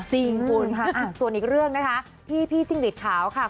จริงคุณค่ะส่วนอีกเรื่องนะคะที่พี่จิ้งหลีดขาวค่ะ